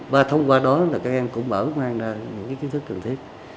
và thông qua đó các em cũng mở ngoan ra những kiến thức cần thiết